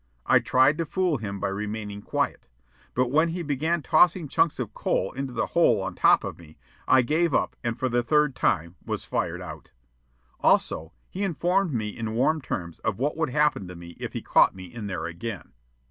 I tried to fool him by remaining quiet. But when he began tossing chunks of coal into the hole on top of me, I gave up and for the third time was fired out. Also, he informed me in warm terms of what would happen to me if he caught me in there again.